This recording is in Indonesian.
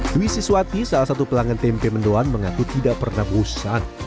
dwi siswati salah satu pelanggan tempe mendoan mengaku tidak pernah bosan